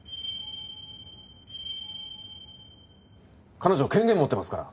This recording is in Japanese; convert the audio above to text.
彼女権限持ってますから。